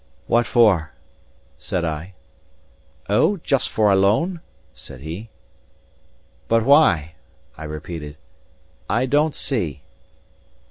"What for?" said I. "O, just for a loan," said he. "But why?" I repeated. "I don't see."